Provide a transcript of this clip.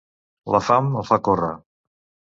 La fam el fa córrer.